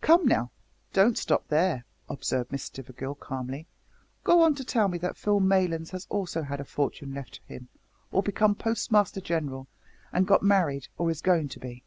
"Come, now, don't stop there," observed Miss Stivergill calmly, "go on to tell me that Phil Maylands has also had a fortune left him, or become Postmaster General and got married, or is going to be."